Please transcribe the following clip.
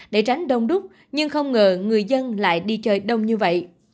để tránh đông đúc nhưng không ngờ người dân lại đi chơi đông như vậy